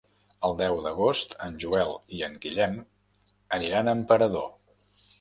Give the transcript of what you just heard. El deu d'agost en Joel i en Guillem aniran a Emperador.